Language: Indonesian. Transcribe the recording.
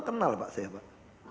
kenal pak saya pak